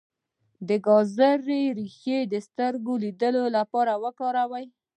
د ګازرې ریښه د سترګو د لید لپاره وکاروئ